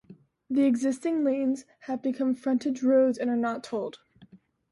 The existing lanes have become frontage roads and are not tolled.